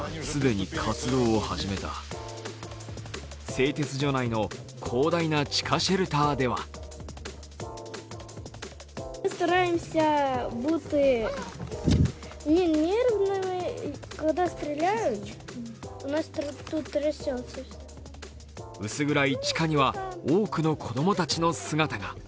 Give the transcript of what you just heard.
製鉄所内の広大な地下シェルターでは薄暗い地下には多くの子供たちの姿が。